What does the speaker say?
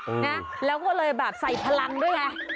นะแล้วก็เลยแบบใส่พลังด้วยไง